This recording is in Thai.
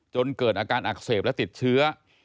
จนเกิดอาการอักเสบและติดเชื้อ